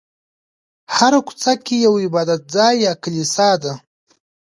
هره کوڅه کې یو عبادت ځای یا کلیسا ده.